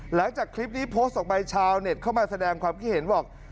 หลังจากคลิปนี้โพสต์ออกไปชาวเน็ตเข้ามาแสดงความคิดเห็นบอก